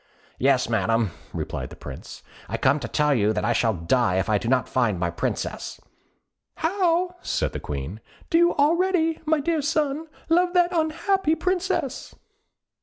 "Yes, Madam," replied the Prince; "I come to tell you that I shall die if I do not find my Princess." "How!" said the Queen; "do you already, my dear son, love that unhappy Princess?"